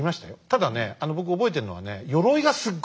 ただね僕覚えてるのはね